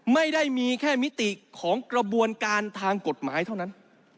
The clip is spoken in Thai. ไม่ได้มีแค่มิติของกระบวนการทางกฎหมายเท่านั้น